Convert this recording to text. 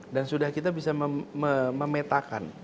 dan sudah kita bisa memetakan